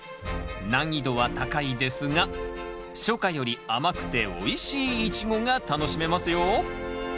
難易度は高いですが初夏より甘くておいしいイチゴが楽しめますよ